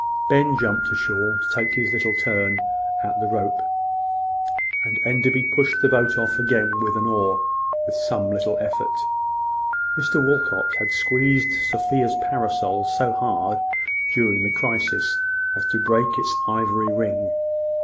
Ben jumped ashore to take his turn at the rope, and Enderby pushed the boat off again with an oar, with some little effort. Mr Walcot had squeezed Sophia's parasol so hard, during the crisis, as to break its ivory ring.